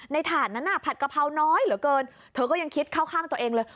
ถ่านนั้นน่ะผัดกะเพราน้อยเหลือเกินเธอก็ยังคิดเข้าข้างตัวเองเลย